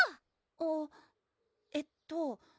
あっえっと